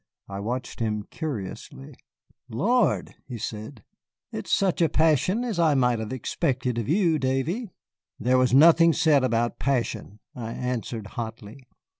I watched him curiously. "Lord," he said, "it is such a passion as I might have suspected of you, Davy." "There was nothing said about passion," I answered hotly.